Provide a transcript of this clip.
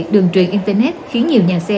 đường truyền internet khiến nhiều nhà xe